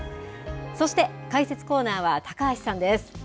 そして、解説コーナーは高橋さんです。